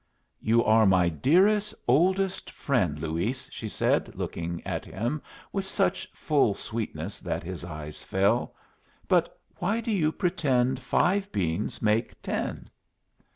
"You are my dearest, oldest friend, Luis," she said, looking at him with such full sweetness that his eyes fell. "But why do you pretend five beans make ten?"